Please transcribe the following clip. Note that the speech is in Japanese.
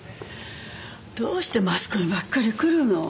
どうしてマスコミばっかり来るの。